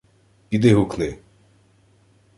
— Піди гукни.